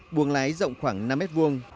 buồng lái rộng khoảng năm mét vuông